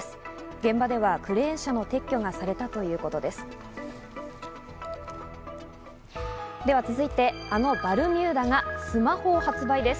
現場ではクレーン車の撤去がされたということです。